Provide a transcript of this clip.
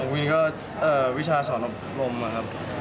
วินก็วิชาสอนอบรมนะครับ